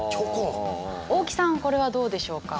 大木さんこれはどうでしょうか？